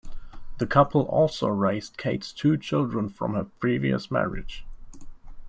The couple also raised Kate's two children from her previous marriage.